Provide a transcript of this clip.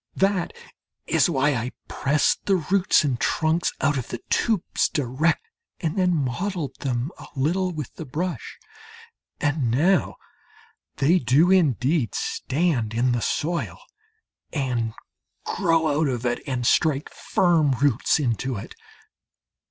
That is why I pressed the roots and trunks out of the tubes direct, and then modelled them a little with the brush. And now they do indeed stand in the soil, and grow out of it, and strike firm roots into it.